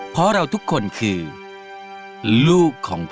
เพราะเราทุกคนคือลูกของพ่อ